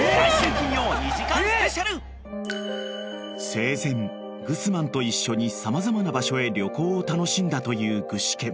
［生前グスマンと一緒に様々な場所へ旅行を楽しんだという具志堅］